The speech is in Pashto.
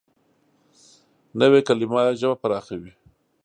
نوې کلیمه ژبه پراخوي